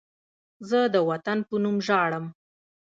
زه د وطن په نوم ژاړم